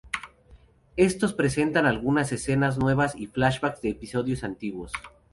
Estos presentan algunas escenas nuevas y flashbacks de episodios antiguos.